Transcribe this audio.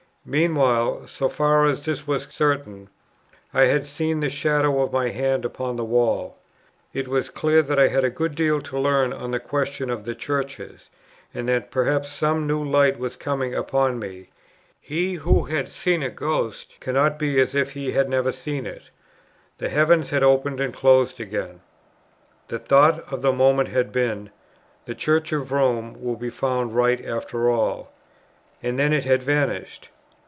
Meanwhile, so far as this was certain, I had seen the shadow of a hand upon the wall. It was clear that I had a good deal to learn on the question of the Churches, and that perhaps some new light was coming upon me. He who has seen a ghost, cannot be as if he had never seen it. The heavens had opened and closed again. The thought for the moment had been, "The Church of Rome will be found right after all;" and then it had vanished.